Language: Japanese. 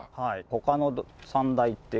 他の三大って？